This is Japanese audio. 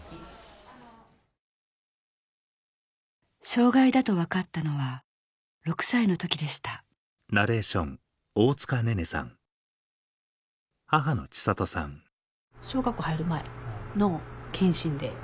障がいだと分かったのは６歳の時でした小学校入る前の健診で。